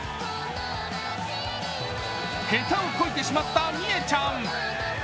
へたをこいてしまったミエちゃん。